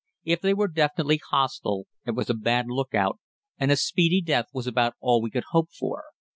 If they were definitely hostile it was a bad lookout, and a speedy death was about all we could hope for.